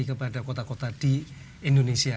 kepada kota kota di indonesia